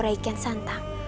rai ken santang